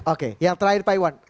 oke yang terakhir pak iwan